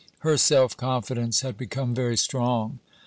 Her self confidence had become very strong.